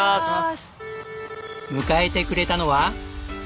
迎えてくれたのは。